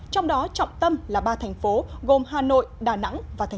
trong đó trọng tâm là ba thành phố gồm hà nội đà nẵng và tp hcm